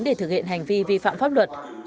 để thực hiện hành vi vi phạm pháp luật